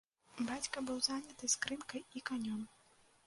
Бацька быў заняты скрынкай і канём.